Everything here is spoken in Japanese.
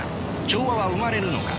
調和は生まれるのか。